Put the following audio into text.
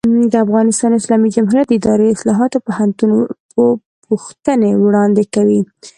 د افغانستان اسلامي جمهوریت د اداري اصلاحاتو پوښتنې وړاندې کوي.